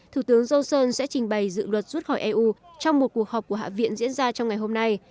thủ tướng johnson sẽ trình bày dự luật rút khỏi eu trong một cuộc họp của hạ viện diễn ra trong ngày hôm nay